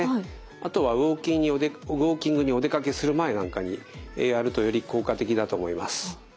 あとはウォーキングにお出かけする前なんかにやるとより効果的だと思います。